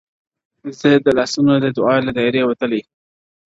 زه د لاسونو د دعا له دايرې وتلی~